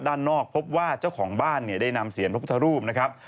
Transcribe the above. ด้านนอกพบว่าเจ้าของบ้านเนี่ยได้นำเสียงพระพุทธรูปนะครับ